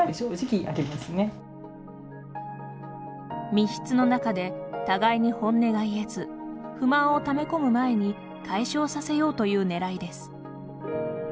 密室の中で互いに本音が言えず不満をため込む前に解消させようというねらいです。